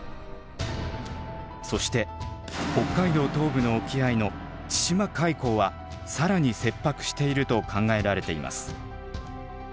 そして北海道東部の沖合の千島海溝は更に切迫していると考えられています。